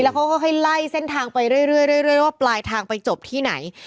แล้วเค้าให้ไล่เส้นทางไปเรื่อยแล้วปลายทางไปจบที่ไหน